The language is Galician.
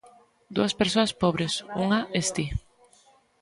Dúas persoas pobres, unha es ti.